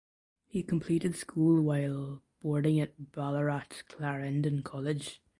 He completed school while boarding at Ballarat Clarendon College.